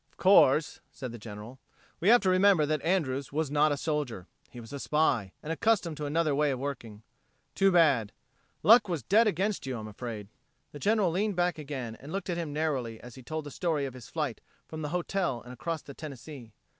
"Of course," said the General, "we have to remember that Andrews was not a soldier he was a spy, and accustomed to another way of working. Too bad.... Luck was dead against you, I'm afraid." The General leaned back again and looked at him narrowly as he told the story of his flight from the hotel and across the Tennessee.